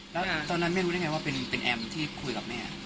แล้วตอนนั้นแม่รู้ได้ไงว่าเป็นแอมที่คุยกับแม่